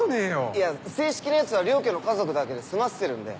いや正式なやつは両家の家族だけで済ませてるんで。